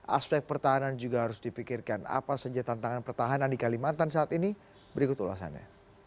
aspek pertahanan juga harus dipikirkan apa saja tantangan pertahanan di kalimantan saat ini berikut ulasannya